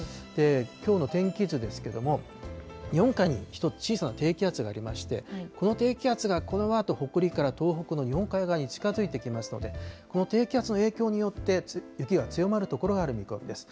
きょうの天気図ですけども、日本海に１つ小さな低気圧がこの低気圧がこのあと、北陸から東北の日本海側に近づいてきますので、この低気圧の影響によって、雪が強まる所がある見込みです。